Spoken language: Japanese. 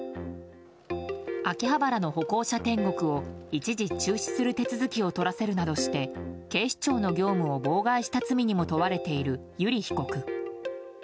秋葉原の歩行者天国を一時中止する手続きを取らせるなどして警視庁の業務を妨害した罪などにも問われている油利被告。